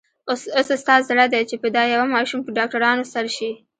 اوس ستا زړه دی چې په دا يوه ماشوم په ډاکټرانو سر شې.